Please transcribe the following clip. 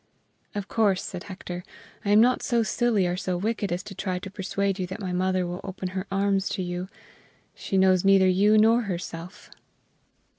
"Of course," said Hector, "I am not so silly or so wicked as to try to persuade you that my mother will open her arms to you. She knows neither you nor herself."